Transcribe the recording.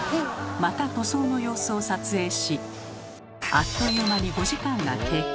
また塗装の様子を撮影しあっという間に５時間が経過。